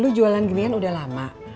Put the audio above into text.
lu jualan gini kan udah lama